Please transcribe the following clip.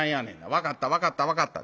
分かった分かった分かった。